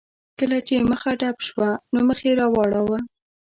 چې کله یې مخه ډب شوه، نو مخ یې را واړاوه.